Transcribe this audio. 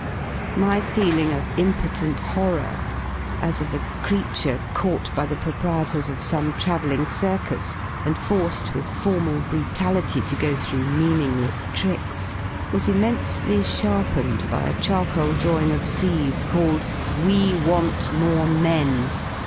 ^ My feeling of impotent horror, as of a creature caught by the proprietors of some travelling circus and forced with formal brutality to go through meaningless tricks, was immensely sharpened by a charcoal drawing of C 's called , "We Want More Men